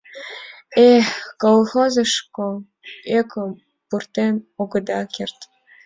Э... колхозышко ӧкым пуртен огыда керт...